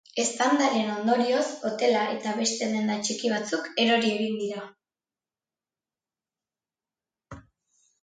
Eztandaren ondorioz, hotela eta beste denda txiki batzuk erori egin dira.